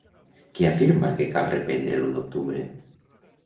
Què afirma que cal reprendre l'u d'octubre?